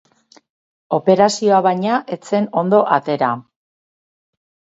Operazioa, baina, ez zen ondo atera.